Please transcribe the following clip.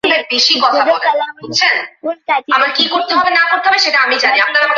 প্রকৃতপক্ষে কিন্তু এই উভয় ধারণা একই ভিত্তির উপর প্রতিষ্ঠিত।